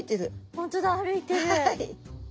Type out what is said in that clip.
本当だ歩いてる。